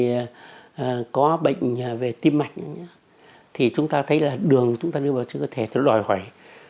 nếu có bệnh về tim mạch thì chúng ta thấy là đường chúng ta đưa vào chiếc cơ thể thì nó đòi hoài